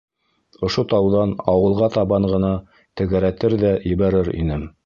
Ошо тауҙан ауылға табан ғына тәгәрәтер ҙә ебәрер инем.